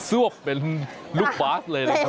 วบเป็นลูกบาสเลยนะครับ